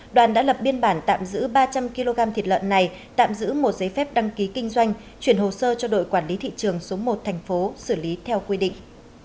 đoàn đã lập biên bản tạm giữ ba trăm linh kg thịt lợn này tạm giữ một giấy phép đăng ký kinh doanh chuyển hồ sơ cho đội quản lý thị trường số một thành phố xử lý theo quy định